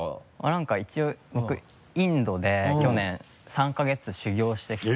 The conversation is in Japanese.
何か一応僕インドで去年３か月修行してきて。